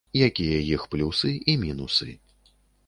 Якія іх плюсы і мінусы.